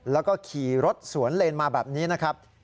แล้วก็ขี่รถสวนเลนมาแบบนี้นะครับ